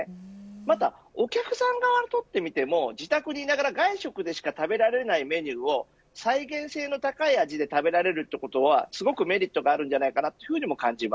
またお客さん側にとってみても自宅にいながら、外食でしか食べられないメニューを再現性の高い味で食べられるということはすごくメリットがそうですね。